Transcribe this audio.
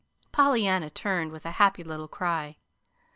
Pollyanna turned with a happy little cry.